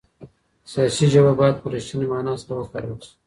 سياسي ژبه بايد په رښتني مانا سره وکارول سي.